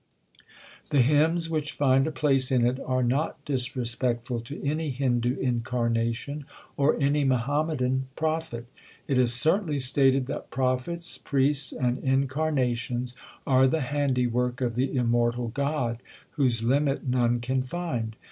The hymns which find a place in it are not disrespectful to any Hindu incarnation or any Muhammadan prophet. It is certainly stated that prophets, priests, and incarnations are the handi work of the Immortal God, whose limit none can find.